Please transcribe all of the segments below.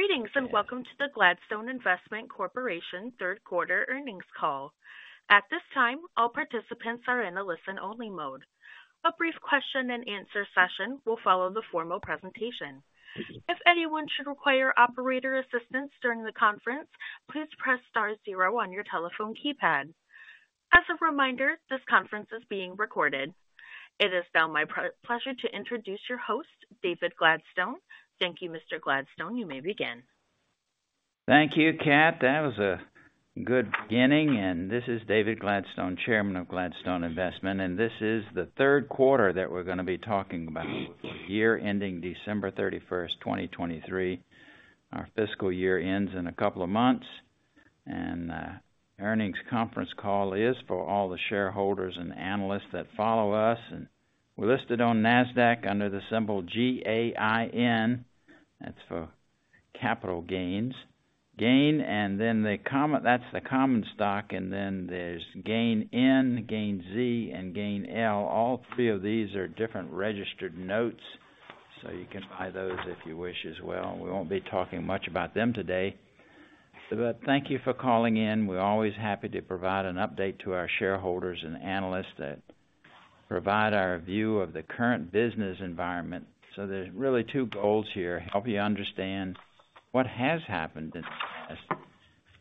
Greetings, and welcome to the Gladstone Investment Corporation third quarter earnings call. At this time, all participants are in a listen-only mode. A brief question and answer session will follow the formal presentation. If anyone should require operator assistance during the conference, please press star zero on your telephone keypad. As a reminder, this conference is being recorded. It is now my pleasure to introduce your host, David Gladstone. Thank you, Mr. Gladstone. You may begin. Thank you, Kat. That was a good beginning, and this is David Gladstone, Chairman of Gladstone Investment, and this is the third quarter that we're gonna be talking about, for the year ending December 31st, 2023. Our fiscal year ends in a couple of months, and earnings conference call is for all the shareholders and analysts that follow us, and we're listed on NASDAQ under the symbol GAIN. That's for capital gains. GAIN, and then the common—that's the common stock, and then there's GAINN, GAINZ, and GAINL. All three of these are different registered notes, so you can buy those if you wish as well. We won't be talking much about them today. But thank you for calling in. We're always happy to provide an update to our shareholders and analysts that provide our view of the current business environment. So there's really two goals here: help you understand what has happened in the past,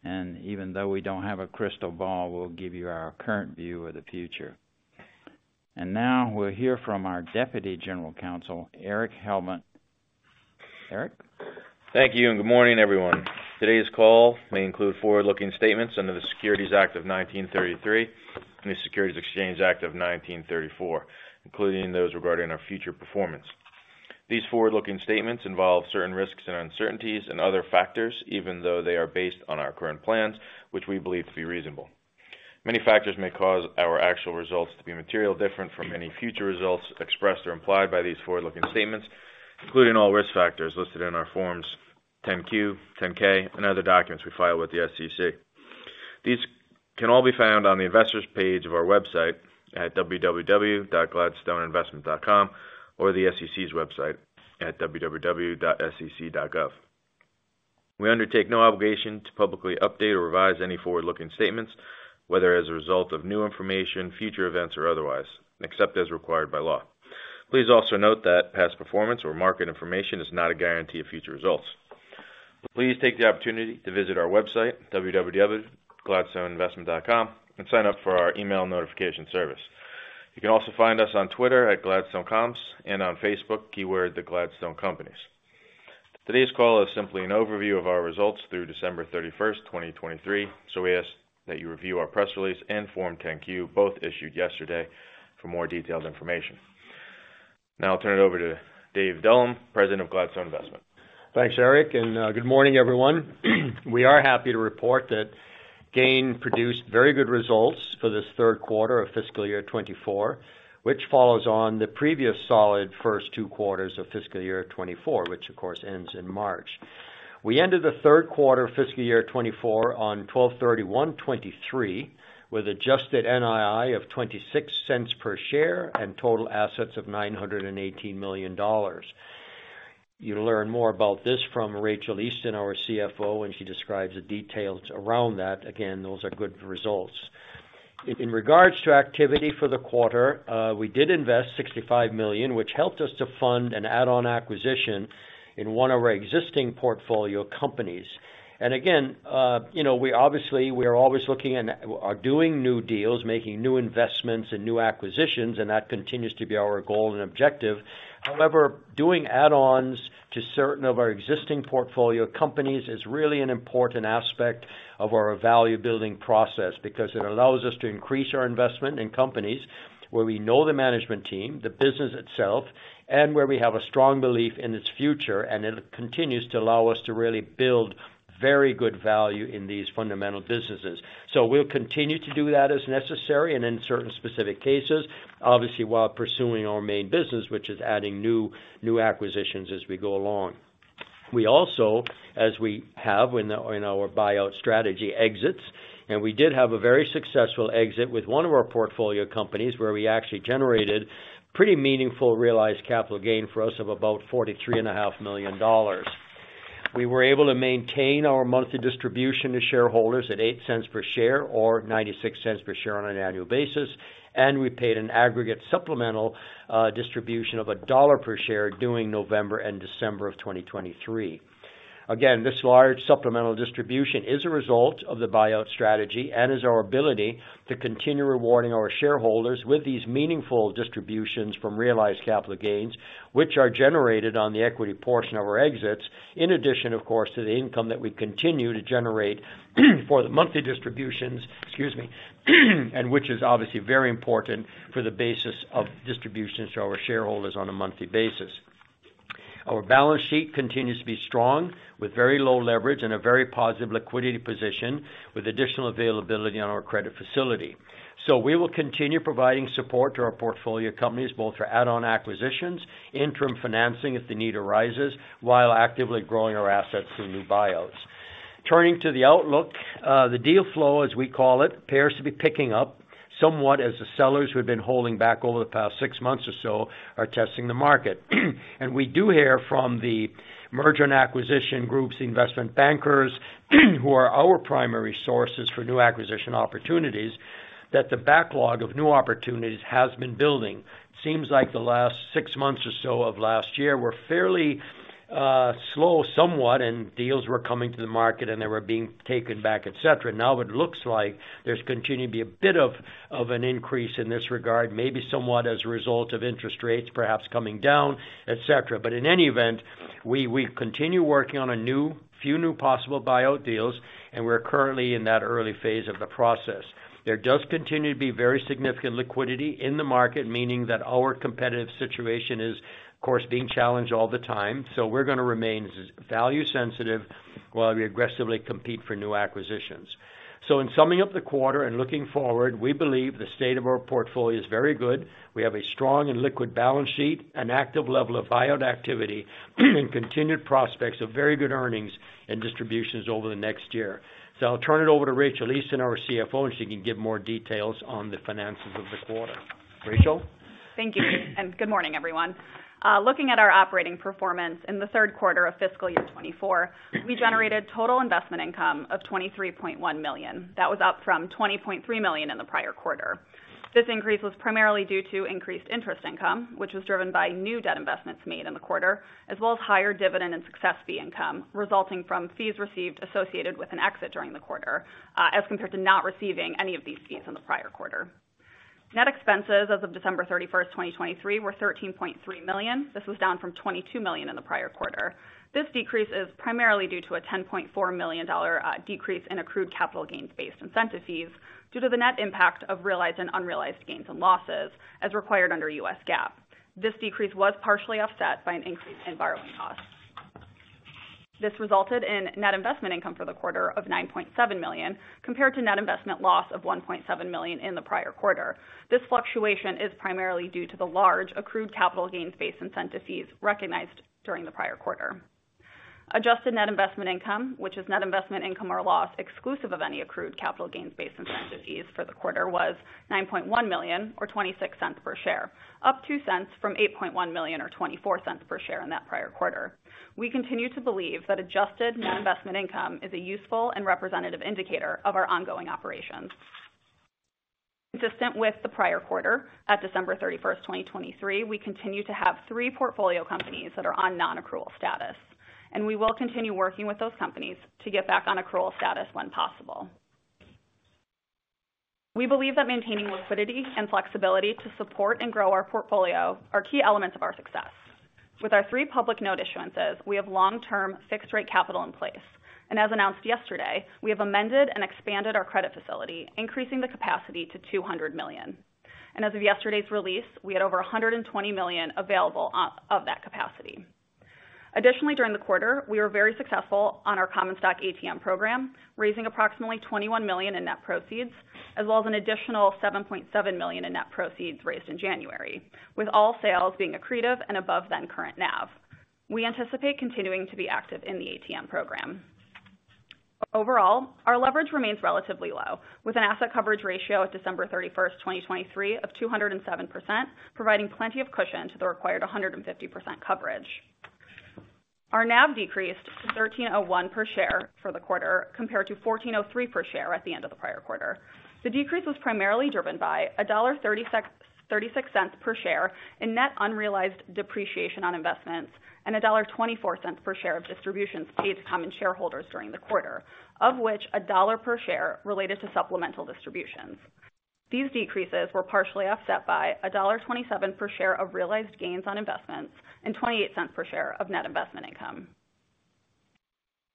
and even though we don't have a crystal ball, we'll give you our current view of the future. Now we'll hear from our Deputy General Counsel, Erich Hellmold. Erich? Thank you, and good morning, everyone. Today's call may include forward-looking statements under the Securities Act of 1933 and the Securities Exchange Act of 1934, including those regarding our future performance. These forward-looking statements involve certain risks and uncertainties and other factors, even though they are based on our current plans, which we believe to be reasonable. Many factors may cause our actual results to be materially different from any future results expressed or implied by these forward-looking statements, including all risk factors listed in our Forms 10-Q, 10-K, and other documents we file with the SEC. These can all be found on the Investors page of our website at www.gladstoneinvestment.com, or the SEC's website at www.sec.gov. We undertake no obligation to publicly update or revise any forward-looking statements, whether as a result of new information, future events, or otherwise, except as required by law. Please also note that past performance or market information is not a guarantee of future results. Please take the opportunity to visit our website, www.gladstoneinvestment.com, and sign up for our email notification service. You can also find us on Twitter, @GladstoneComps, and on Facebook, keyword: The Gladstone Companies. Today's call is simply an overview of our results through December 31, 2023, so we ask that you review our press release and Form 10-Q, both issued yesterday, for more detailed information. Now I'll turn it over to Dave Dullum, President of Gladstone Investment. Thanks, Erich, and good morning, everyone. We are happy to report that GAIN produced very good results for this third quarter of fiscal year 2024, which follows on the previous solid first two quarters of fiscal year 2024, which of course, ends in March. We ended the third quarter of fiscal year 2024 on 12/31/2023, with adjusted NII of $0.26 per share and total assets of $918 million. You'll learn more about this from Rachael Easton, our CFO, when she describes the details around that. Again, those are good results. In regards to activity for the quarter, we did invest $65 million, which helped us to fund an add-on acquisition in one of our existing portfolio companies. Again, you know, we obviously are always looking at doing new deals, making new investments and new acquisitions, and that continues to be our goal and objective. However, doing add-ons to certain of our existing portfolio companies is really an important aspect of our value-building process. Because it allows us to increase our investment in companies where we know the management team, the business itself, and where we have a strong belief in its future, and it continues to allow us to really build very good value in these fundamental businesses. So we'll continue to do that as necessary and in certain specific cases, obviously, while pursuing our main business, which is adding new, new acquisitions as we go along. We also, as we have in our buyout strategy, exits, and we did have a very successful exit with one of our portfolio companies, where we actually generated pretty meaningful realized capital gain for us of about $43.5 million. We were able to maintain our monthly distribution to shareholders at $0.08 per share or $0.96 per share on an annual basis, and we paid an aggregate supplemental distribution of $1 per share during November and December of 2023. Again, this large supplemental distribution is a result of the buyout strategy and is our ability to continue rewarding our shareholders with these meaningful distributions from realized capital gains, which are generated on the equity portion of our exits, in addition, of course, to the income that we continue to generate for the monthly distributions. Excuse me. Which is obviously very important for the basis of distributions to our shareholders on a monthly basis. Our balance sheet continues to be strong, with very low leverage and a very positive liquidity position, with additional availability on our credit facility. We will continue providing support to our portfolio companies, both for add-on acquisitions, interim financing if the need arises, while actively growing our assets through new buyouts.... Turning to the outlook, the deal flow, as we call it, appears to be picking up somewhat as the sellers who have been holding back over the past six months or so are testing the market. We do hear from the merger and acquisition groups, investment bankers, who are our primary sources for new acquisition opportunities, that the backlog of new opportunities has been building. Seems like the last six months or so of last year were fairly slow somewhat, and deals were coming to the market and they were being taken back, et cetera. Now it looks like there's continuing to be a bit of an increase in this regard, maybe somewhat as a result of interest rates perhaps coming down, et cetera. But in any event, we continue working on a few new possible buyout deals, and we're currently in that early phase of the process. There does continue to be very significant liquidity in the market, meaning that our competitive situation is, of course, being challenged all the time. So we're going to remain value sensitive while we aggressively compete for new acquisitions. So in summing up the quarter and looking forward, we believe the state of our portfolio is very good. We have a strong and liquid balance sheet, an active level of buyout activity, and continued prospects of very good earnings and distributions over the next year. So I'll turn it over to Rachael Easton, our CFO, and she can give more details on the finances of the quarter. Rachael? Thank you, and good morning, everyone. Looking at our operating performance in the third quarter of fiscal year 2024, we generated total investment income of $23.1 million. That was up from $20.3 million in the prior quarter. This increase was primarily due to increased interest income, which was driven by new debt investments made in the quarter, as well as higher dividend and success fee income, resulting from fees received associated with an exit during the quarter, as compared to not receiving any of these fees in the prior quarter. Net expenses as of December 31, 2023, were $13.3 million. This was down from $22 million in the prior quarter. This decrease is primarily due to a $10.4 million decrease in accrued capital gains-based incentive fees due to the net impact of realized and unrealized gains and losses, as required under U.S. GAAP. This decrease was partially offset by an increase in borrowing costs. This resulted in net investment income for the quarter of $9.7 million, compared to net investment loss of $1.7 million in the prior quarter. This fluctuation is primarily due to the large accrued capital gains-based incentive fees recognized during the prior quarter. Adjusted Net Investment Income, which is net investment income or loss, exclusive of any accrued capital gains-based incentive fees for the quarter, was $9.1 million or $0.26 per share. Up $0.02 from $8.1 million or $0.24 per share in that prior quarter. We continue to believe that Adjusted Net Investment Income is a useful and representative indicator of our ongoing operations. Consistent with the prior quarter, at December 31, 2023, we continue to have three portfolio companies that are on non-accrual status, and we will continue working with those companies to get back on accrual status when possible. We believe that maintaining liquidity and flexibility to support and grow our portfolio are key elements of our success. With our three public note issuances, we have long-term fixed rate capital in place. As announced yesterday, we have amended and expanded our credit facility, increasing the capacity to $200 million. As of yesterday's release, we had over $120 million available of that capacity. Additionally, during the quarter, we were very successful on our common stock ATM program, raising approximately $21 million in net proceeds, as well as an additional $7.7 million in net proceeds raised in January, with all sales being accretive and above then current NAV. We anticipate continuing to be active in the ATM program. Overall, our leverage remains relatively low, with an asset coverage ratio of December 31, 2023, of 207%, providing plenty of cushion to the required 150% coverage. Our NAV decreased to 13.01 per share for the quarter, compared to 14.03 per share at the end of the prior quarter. The decrease was primarily driven by $1.36 per share in net unrealized depreciation on investments, and $1.24 per share of distributions paid to common shareholders during the quarter, of which $1 per share related to supplemental distributions. These decreases were partially offset by $1.27 per share of realized gains on investments and 28 cents per share of net investment income.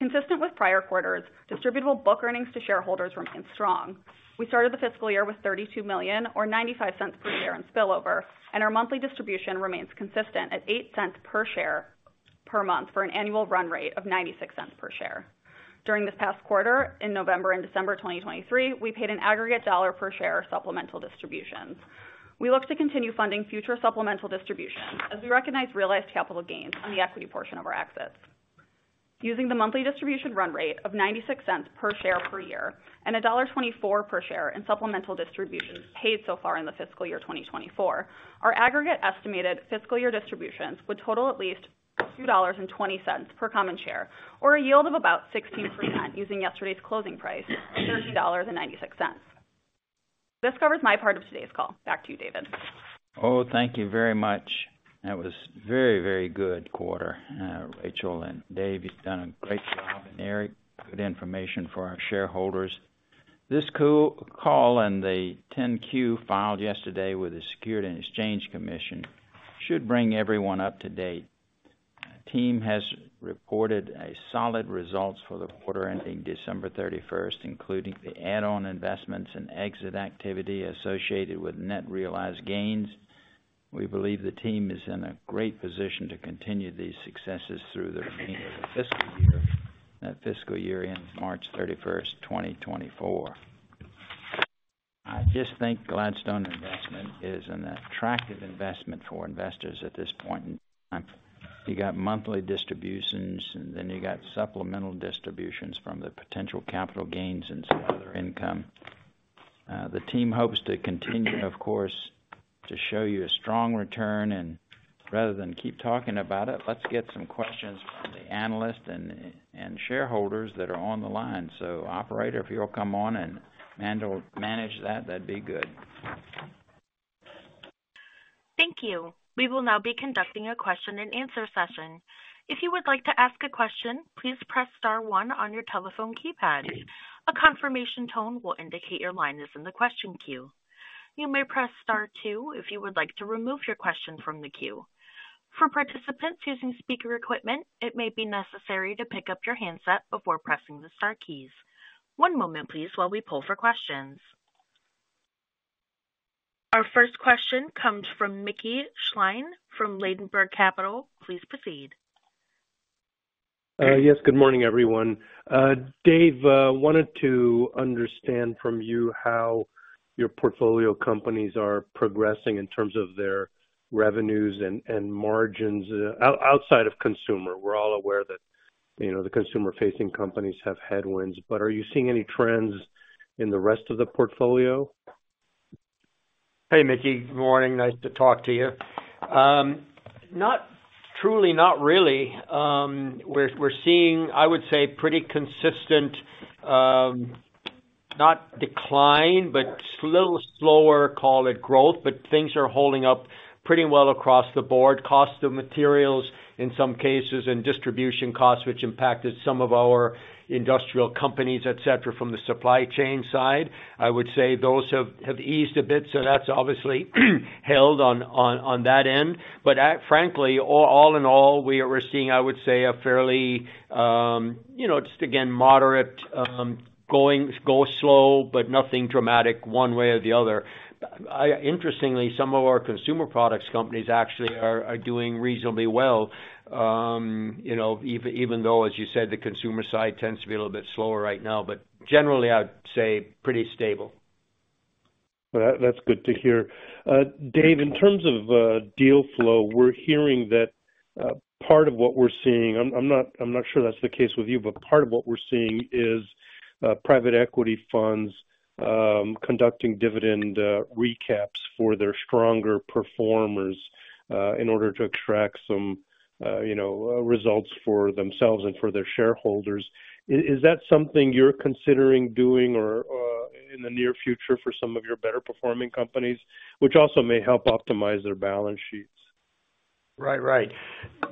Consistent with prior quarters, distributable book earnings to shareholders remained strong. We started the fiscal year with $32 million or 95 cents per share in spillover, and our monthly distribution remains consistent at 8 cents per share per month for an annual run rate of 96 cents per share. During this past quarter, in November and December 2023, we paid an aggregate $1 per share supplemental distributions. We look to continue funding future supplemental distributions as we recognize realized capital gains on the equity portion of our exits. Using the monthly distribution run rate of $0.96 per share per year, and $1.24 per share in supplemental distributions paid so far in the fiscal year 2024, our aggregate estimated fiscal year distributions would total at least $2.20 per common share, or a yield of about 16.3%, using yesterday's closing price, $13.96. This covers my part of today's call. Back to you, David. Oh, thank you very much. That was very, very good quarter, Rachael and Dave, you've done a great job. Erich, good information for our shareholders. This call and the 10-Q filed yesterday with the Securities and Exchange Commission should bring everyone up to date. The team has reported solid results for the quarter ending December 31, including the add-on investments and exit activity associated with net realized gains. We believe the team is in a great position to continue these successes through the remaining of the fiscal year, that fiscal year ends March 31, 2024. I just think Gladstone Investment is an attractive investment for investors at this point in time. You got monthly distributions, and then you got supplemental distributions from the potential capital gains and some other income. The team hopes to continue, of course, to show you a strong return, and rather than keep talking about it, let's get some questions from the analysts and shareholders that are on the line. So, operator, if you'll come on and handle and manage that, that'd be good. Thank you. We will now be conducting a question and answer session. If you would like to ask a question, please press star one on your telephone keypad. A confirmation tone will indicate your line is in the question queue. You may press star two if you would like to remove your question from the queue. For participants using speaker equipment, it may be necessary to pick up your handset before pressing the star keys. One moment, please, while we pull for questions. Our first question comes from Mickey Schleien, from Ladenburg Thalmann. Please proceed. Yes, good morning, everyone. Dave, wanted to understand from you how your portfolio companies are progressing in terms of their revenues and, and margins, outside of consumer. We're all aware that, you know, the consumer-facing companies have headwinds, but are you seeing any trends in the rest of the portfolio? Hey, Mickey. Good morning. Nice to talk to you. Not truly, not really. We're seeing, I would say, pretty consistent, not decline, but little slower, call it growth, but things are holding up pretty well across the board. Cost of materials, in some cases, and distribution costs, which impacted some of our industrial companies, et cetera, from the supply chain side. I would say those have eased a bit, so that's obviously held on that end. But frankly, all in all, we are seeing, I would say, a fairly, you know, just again, moderate, going slow, but nothing dramatic one way or the other. Interestingly, some of our consumer products companies actually are doing reasonably well. You know, even though, as you said, the consumer side tends to be a little bit slower right now, but generally, I'd say pretty stable. Well, that's good to hear. Dave, in terms of deal flow, we're hearing that part of what we're seeing... I'm not sure that's the case with you, but part of what we're seeing is private equity funds conducting dividend recaps for their stronger performers in order to extract some, you know, results for themselves and for their shareholders. Is that something you're considering doing or in the near future for some of your better performing companies, which also may help optimize their balance sheets? Right. Right.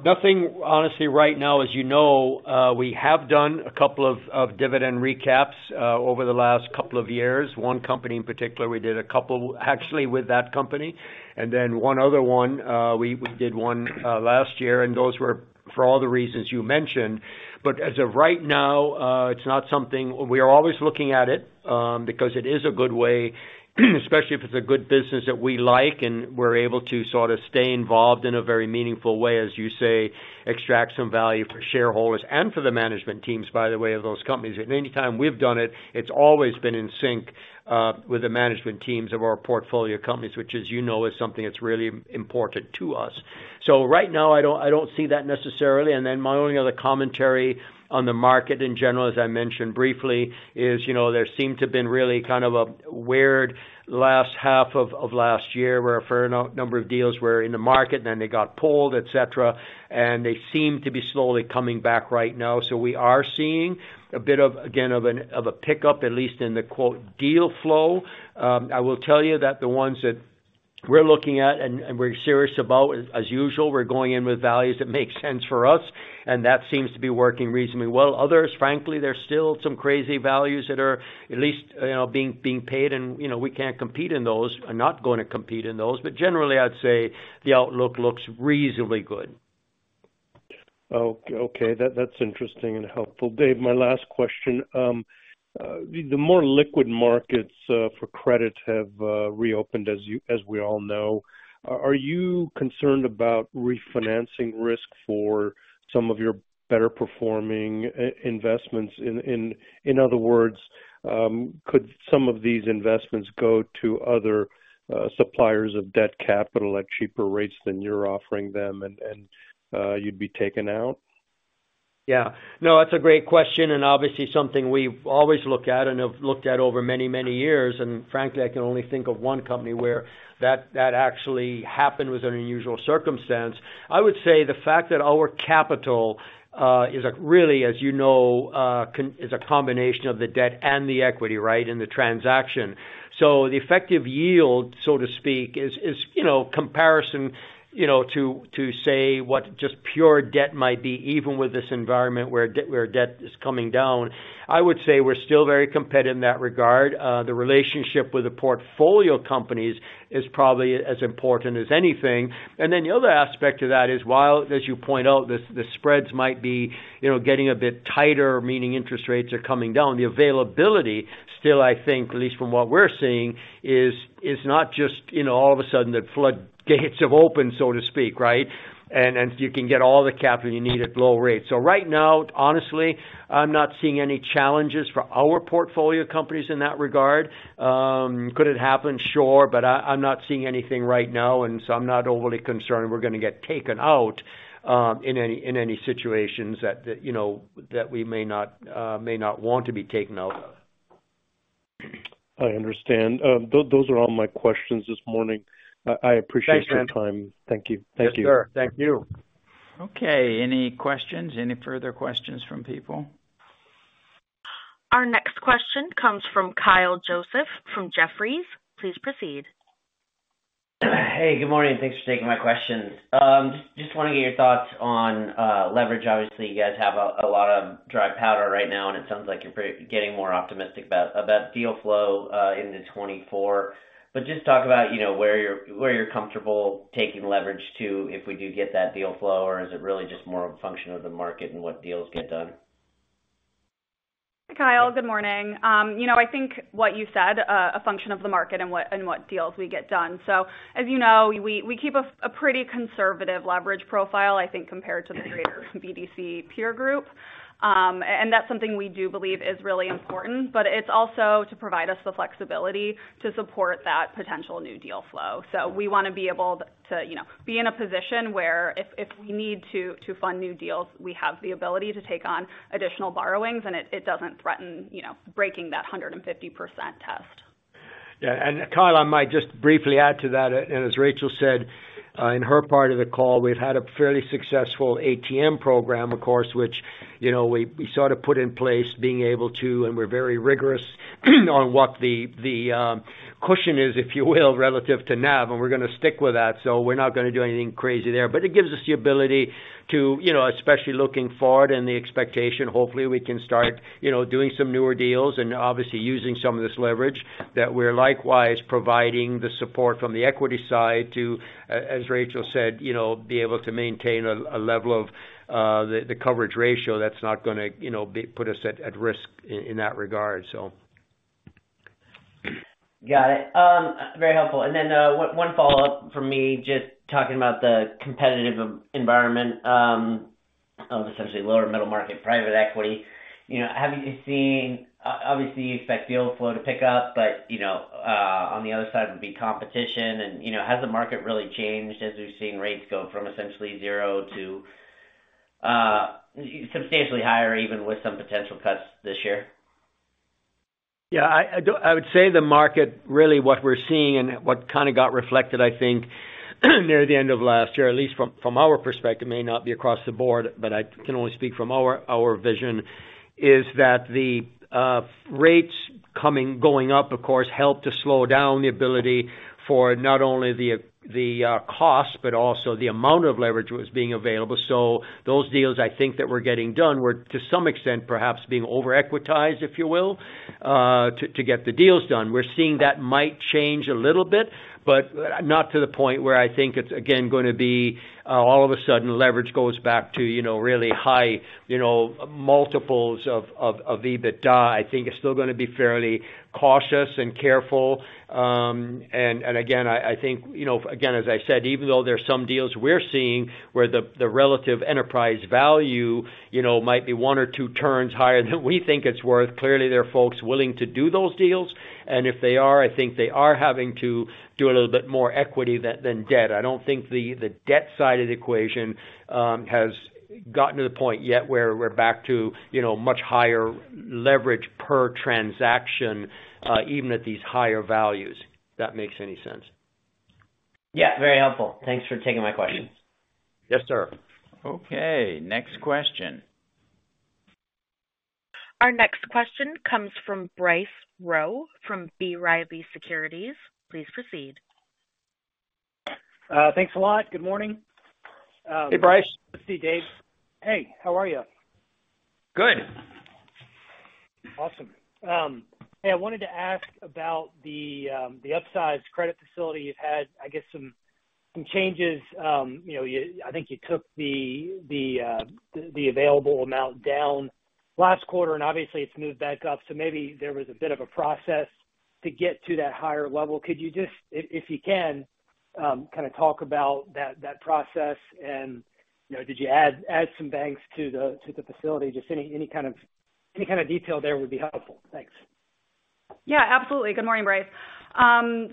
Nothing, honestly, right now, as you know, we have done a couple of dividend recaps over the last couple of years. One company in particular, we did a couple, actually, with that company, and then one other one, we did one last year, and those were for all the reasons you mentioned. But as of right now, it's not something... We are always looking at it because it is a good way, especially if it's a good business that we like, and we're able to sort of stay involved in a very meaningful way, as you say, extract some value for shareholders and for the management teams, by the way, of those companies. Anytime we've done it, it's always been in sync with the management teams of our portfolio companies, which, as you know, is something that's really important to us. Right now, I don't see that necessarily. My only other commentary on the market in general, as I mentioned briefly, is, you know, there seemed to have been really kind of a weird last half of last year, where a fair number of deals were in the market, then they got pulled, et cetera, and they seem to be slowly coming back right now. We are seeing a bit of, again, of a pickup, at least in the quote deal flow. I will tell you that the ones that we're looking at and we're serious about, as usual, we're going in with values that make sense for us, and that seems to be working reasonably well. Others, frankly, there's still some crazy values that are at least, you know, being paid, and, you know, we can't compete in those, are not gonna compete in those. But generally, I'd say the outlook looks reasonably good. Okay, that's interesting and helpful. Dave, my last question. The more liquid markets for credit have reopened, as we all know. Are you concerned about refinancing risk for some of your better performing investments? In other words, could some of these investments go to other suppliers of debt capital at cheaper rates than you're offering them, and you'd be taken out? Yeah. No, that's a great question, and obviously something we've always looked at and have looked at over many, many years. And frankly, I can only think of one company where that actually happened was an unusual circumstance. I would say the fact that our capital is a really, as you know, is a combination of the debt and the equity, right, in the transaction. So the effective yield, so to speak, is, you know, comparison, you know, to, to say what just pure debt might be, even with this environment where debt is coming down, I would say we're still very competitive in that regard. The relationship with the portfolio companies is probably as important as anything. And then the other aspect to that is, while, as you point out, the spreads might be, you know, getting a bit tighter, meaning interest rates are coming down, the availability still, I think, at least from what we're seeing, is not just, you know, all of a sudden, the floodgates have opened, so to speak, right? And you can get all the capital you need at low rates. So right now, honestly, I'm not seeing any challenges for our portfolio companies in that regard. Could it happen? Sure, but I'm not seeing anything right now, and so I'm not overly concerned we're gonna get taken out in any situations that, you know, that we may not want to be taken out of.... I understand. Those are all my questions this morning. I, I appreciate your time. Thanks, man. Thank you. Thank you. Yes, sir. Thank you. Okay, any questions? Any further questions from people? Our next question comes from Kyle Joseph, from Jefferies. Please proceed. Hey, good morning. Thanks for taking my questions. Just, just wanna get your thoughts on leverage. Obviously, you guys have a lot of dry powder right now, and it sounds like you're getting more optimistic about deal flow into 2024. But just talk about, you know, where you're comfortable taking leverage to, if we do get that deal flow, or is it really just more of a function of the market and what deals get done? Hi, Kyle. Good morning. You know, I think what you said a function of the market and what deals we get done. So as you know, we keep a pretty conservative leverage profile, I think, compared to the greater BDC peer group. And that's something we do believe is really important, but it's also to provide us the flexibility to support that potential new deal flow. So we wanna be able to, you know, be in a position where if we need to fund new deals, we have the ability to take on additional borrowings, and it doesn't threaten, you know, breaking that 150% test. Yeah, Kyle, I might just briefly add to that. As Rachel said in her part of the call, we've had a fairly successful ATM program, of course, which, you know, we sort of put in place being able to, and we're very rigorous on what the cushion is, if you will, relative to NAV, and we're gonna stick with that. So we're not gonna do anything crazy there. But it gives us the ability to, you know, especially looking forward and the expectation, hopefully, we can start, you know, doing some newer deals and obviously using some of this leverage, that we're likewise providing the support from the equity side to, as Rachel said, you know, be able to maintain a level of the coverage ratio that's not gonna, you know, put us at risk in that regard, so. Got it. Very helpful. And then, one follow-up from me, just talking about the competitive environment of essentially lower middle-market private equity. You know, have you seen... Obviously, you expect deal flow to pick up, but, you know, on the other side would be competition and, you know, has the market really changed as we've seen rates go from essentially zero to substantially higher, even with some potential cuts this year? Yeah, I do. I would say the market, really what we're seeing and what kind of got reflected, I think, near the end of last year, at least from our perspective, may not be across the board, but I can only speak from our vision, is that the rates coming, going up, of course, helped to slow down the ability for not only the cost, but also the amount of leverage was being available. So those deals, I think, that were getting done were, to some extent, perhaps being over-equitized, if you will, to get the deals done. We're seeing that might change a little bit, but not to the point where I think it's, again, gonna be all of a sudden, leverage goes back to, you know, really high, you know, multiples of EBITDA. I think it's still gonna be fairly cautious and careful. And again, I think, you know, again, as I said, even though there are some deals we're seeing where the relative enterprise value, you know, might be one or two turns higher than we think it's worth, clearly, there are folks willing to do those deals. And if they are, I think they are having to do a little bit more equity than debt. I don't think the debt side of the equation has gotten to the point yet where we're back to, you know, much higher leverage per transaction, even at these higher values, if that makes any sense. Yeah, very helpful. Thanks for taking my questions. Yes, sir. Okay, next question. Our next question comes from Bryce Rowe, from B. Riley Securities. Please proceed. Thanks a lot. Good morning. Hey, Bryce. Good to see you, Dave. Hey, how are you? Good. Awesome. Hey, I wanted to ask about the upsized credit facility. You've had, I guess, some changes. You know, you—I think you took the available amount down last quarter, and obviously it's moved back up. So maybe there was a bit of a process to get to that higher level. Could you just, if you can, kind of talk about that process? And, you know, did you add some banks to the facility? Just any kind of detail there would be helpful. Thanks. Yeah, absolutely. Good morning, Bryce.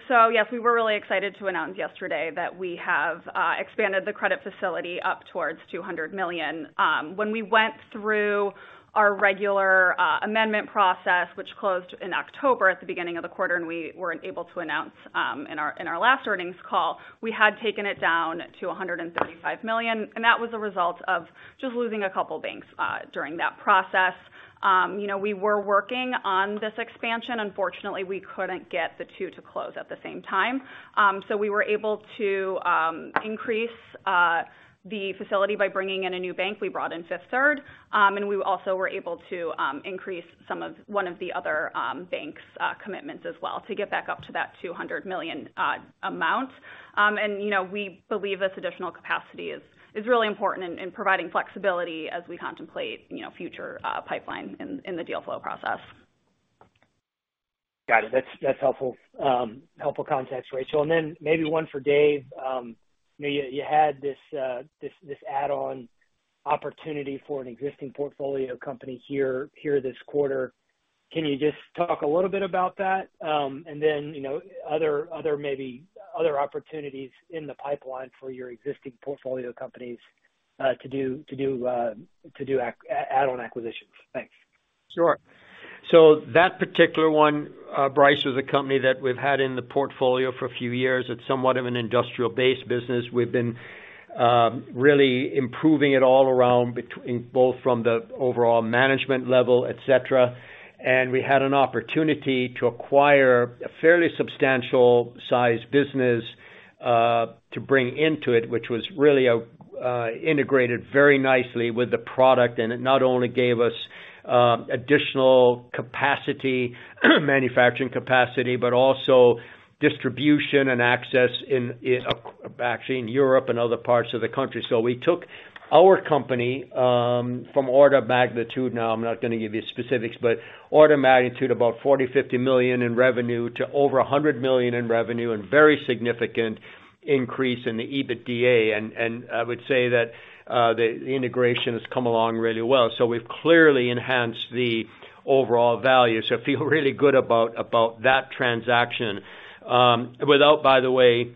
So yes, we were really excited to announce yesterday that we have expanded the credit facility up towards $200 million. When we went through our regular amendment process, which closed in October, at the beginning of the quarter, and we were able to announce in our last earnings call, we had taken it down to $135 million, and that was a result of just losing a couple banks during that process. You know, we were working on this expansion. Unfortunately, we couldn't get the two to close at the same time. So we were able to increase the facility by bringing in a new bank. We brought in Fifth Third. And we also were able to increase one of the other bank's commitments as well to get back up to that $200 million amount. And, you know, we believe this additional capacity is really important in providing flexibility as we contemplate, you know, future pipeline in the deal flow process. Got it. That's, that's helpful, helpful context, Rachel. And then maybe one for Dave. You know, you had this, this add-on opportunity for an existing portfolio company here, here this quarter. Can you just talk a little bit about that? And then, you know, other maybe other opportunities in the pipeline for your existing portfolio companies?... to do add-on acquisitions? Thanks. Sure. So that particular one, Bryce, was a company that we've had in the portfolio for a few years. It's somewhat of an industrial-based business. We've been really improving it all around between both from the overall management level, et cetera. And we had an opportunity to acquire a fairly substantial size business to bring into it, which was really integrated very nicely with the product, and it not only gave us additional capacity, manufacturing capacity, but also distribution and access in, in, actually, in Europe and other parts of the country. So we took our company from order of magnitude, now I'm not gonna give you specifics, but order of magnitude, about $40-$50 million in revenue to over $100 million in revenue, and very significant increase in the EBITDA. I would say that the integration has come along really well. So we've clearly enhanced the overall value. So I feel really good about that transaction, without, by the way,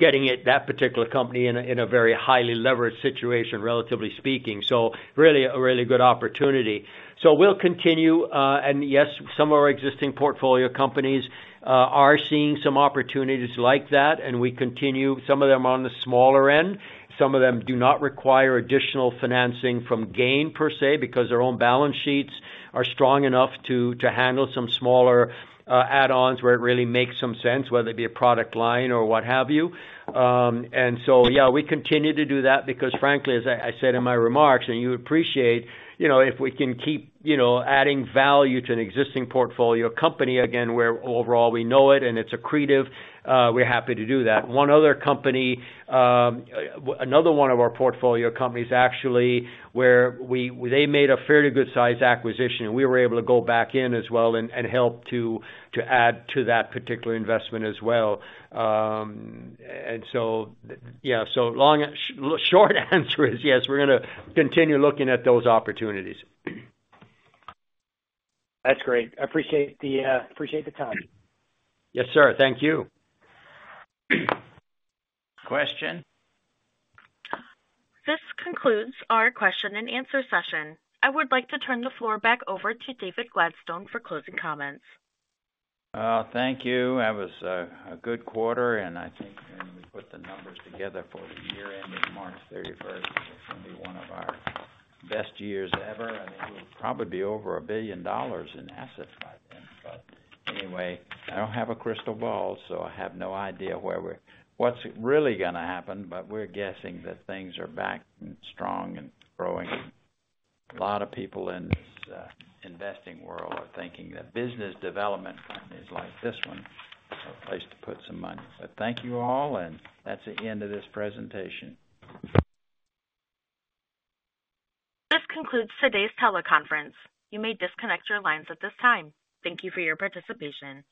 getting that particular company in a very highly leveraged situation, relatively speaking. So really, a really good opportunity. So we'll continue, and yes, some of our existing portfolio companies are seeing some opportunities like that, and we continue. Some of them are on the smaller end. Some of them do not require additional financing from GAIN per se, because their own balance sheets are strong enough to handle some smaller add-ons, where it really makes some sense, whether it be a product line or what have you. Yeah, we continue to do that because frankly, as I said in my remarks, and you appreciate, you know, if we can keep, you know, adding value to an existing portfolio company, again, where overall we know it and it's accretive, we're happy to do that. One other company, another one of our portfolio companies, actually, where they made a fairly good size acquisition, and we were able to go back in as well and help to add to that particular investment as well. So, yeah, short answer is yes, we're gonna continue looking at those opportunities. That's great. I appreciate the time. Yes, sir. Thank you. Question? This concludes our question-and-answer session. I would like to turn the floor back over to David Gladstone for closing comments. Thank you. That was a good quarter, and I think when we put the numbers together for the year ending March thirty-first, it's gonna be one of our best years ever, and it will probably be over $1 billion in assets by then. But anyway, I don't have a crystal ball, so I have no idea what's really gonna happen, but we're guessing that things are back and strong and growing. A lot of people in this investing world are thinking that business development companies like this one are a place to put some money. But thank you all, and that's the end of this presentation. This concludes today's teleconference. You may disconnect your lines at this time. Thank you for your participation.